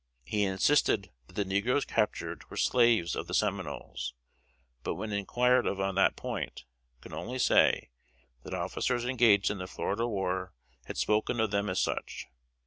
He insisted that the negroes captured were slaves of the Seminoles; but when inquired of on that point, could only say, that officers engaged in the Florida War had spoken of them as such.